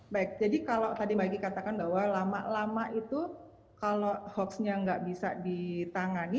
baik jadi kalau tadi mbak egy katakan bahwa lama lama itu kalau hoaxnya nggak bisa ditangani